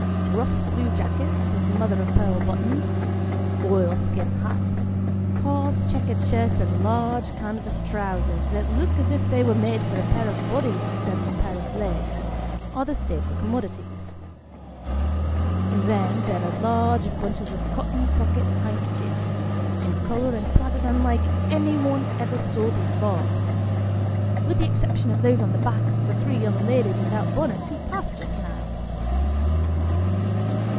Rough blue jackets, with mother of pearl buttons, oil skin hats, coarse checked shirts, and large canvas trousers that look as if they were made for a pair of bodies instead of a pair of legs, are the staple commodities. Then, there are large bunches of cotton pocket handkerchiefs, in colour and pattern unlike any, one ever saw before, with the exception of those on the backs of the three young ladies without bonnets who passed just now.